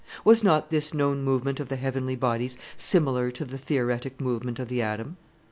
Was not this known movement of the heavenly bodies similar to the theoretic movement of the atom?